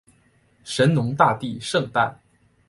神农大帝圣诞